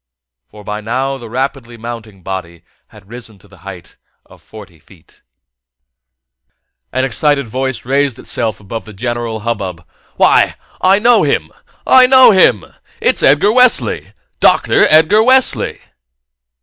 For by now the rapidly mounting body had risen to the height of forty feet. An excited voice raised itself above the general hubbub. "Why, I know him! I know him! It's Edgar Wesley! Doctor Edgar Wesley!"